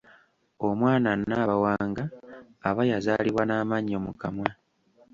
Omwana Nabawanga aba yazaalibwa n’amannyo mu kamwa.